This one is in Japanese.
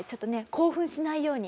興奮しないように？